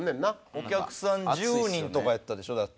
お客さん１０人とかやったでしょだって。